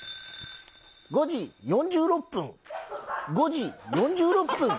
５時４６分、５時４６分。